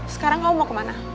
sekarang kamu mau kemana